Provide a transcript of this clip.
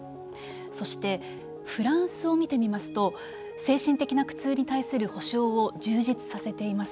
そして、フランスを見てみますと精神的な苦痛に対する補償を充実させています。